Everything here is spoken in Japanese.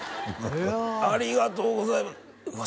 ありがとうございますうわ